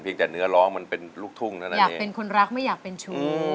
เพียงแต่เนื้อร้องมันเป็นลูกทุ่งแล้วนั่นเนี่ยอยากเป็นคนรักไม่อยากเป็นชุก